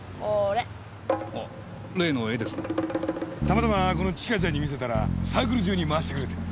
たまたまこのチカちゃんに見せたらサークル中に回してくれて。